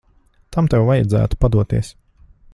Tam tev vajadzētu padoties.